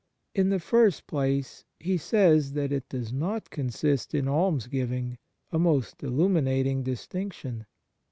In the first place he says that it does not consist in alms giving 1 a most illuminat ing distinction.